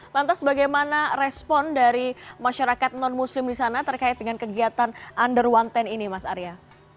lantas bagaimana respon dari masyarakat non muslim di sana terkait dengan kegiatan under one ten ini mas arya